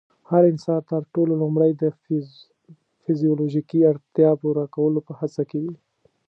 هر انسان تر ټولو لومړی د فزيولوژيکي اړتیا پوره کولو په هڅه کې وي.